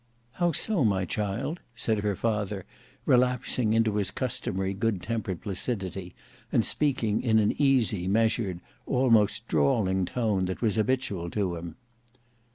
"How so, my child?" said her father, relapsing into his customary good tempered placidity, and speaking in an easy, measured, almost drawling tone that was habitual to him.